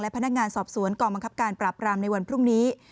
พนักงานสอบสวนกองบังคับการปราบรามในวันพรุ่งนี้